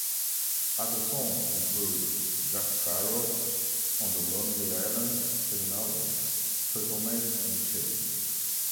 Other songs include "Jack Sparrow" on The Lonely Island's second album, "Turtleneck and Chain".